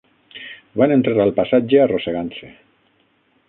Van entrar al passatge arrossegant-se.